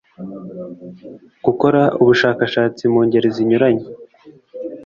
gukora ubushakashatsi mu ngeri zinyuranye